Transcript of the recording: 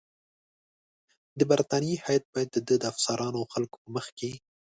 د برټانیې هیات باید د ده د افسرانو او خلکو په مخ کې.